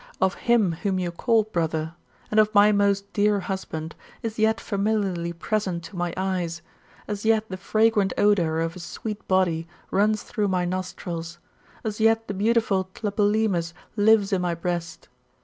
of him whom you called brother], and of my most dear husband, is yet familiarly present to ihy eyes ; as yet the fragrant odour of his sweet body runs through my nostrils ; as yet the beautiful Tlepolemus lives in my breast.